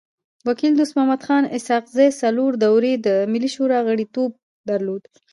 وکيل دوست محمد خان اسحق زی څلور دوري د ملي شورا غړیتوب درلود.